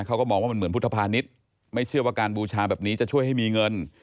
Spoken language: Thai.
เขาก็มองว่ามันเหมือนพุทธภานิษฐ์ไม่เชื่อว่าการบูชาแบบนี้จะช่วยให้มีเงิน